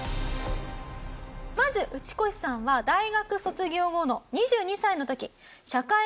まずウチコシさんは大学卒業後の２２歳の時へえ。